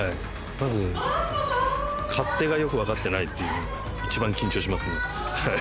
まず勝手がよく分かってないっていうのが一番緊張しますねはい。